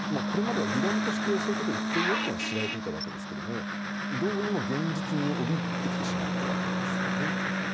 これまでは理論としてそういうこと言ってるよってのは知られていたわけですけどもどうにも現実味を帯びてきてしまったわけですよね。